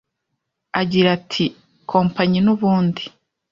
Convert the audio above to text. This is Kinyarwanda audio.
Agira ati “Kompanyi n’ubundi